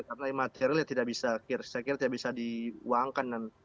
karena imaterilnya tidak bisa kira kira tidak bisa diuangkan